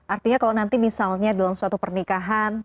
artinya kalau nanti misalnya dalam suatu pernikahan